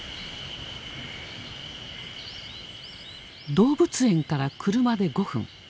動物園から車で５分。